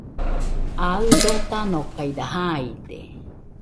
Aɨ dotanokaide jaide